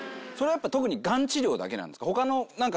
それはやっぱ特にがん治療だけなんですか？